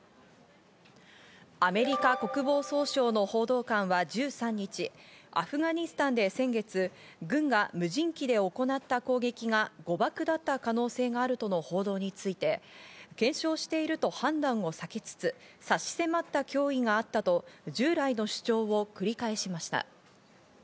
アメリカ国防総省の報道官は１３日、アフガニスタンで先月軍が無人機で行った攻撃が、誤爆だった可能性があるとの報道について、検証していると判断を避けつつ差し迫った脅威があったと従来の主張を繰り返しました。